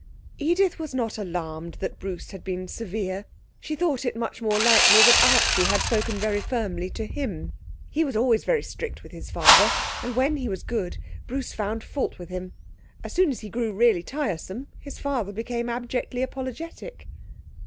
Edith was not alarmed that Bruce had been severe. She thought it much more likely that Archie had spoken very firmly to him. He was always strict with his father, and when he was good Bruce found fault with him. As soon as he grew really tiresome his father became abjectly apologetic.